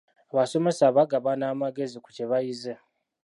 Abasomesa bagabana amagezi ku kye bayize.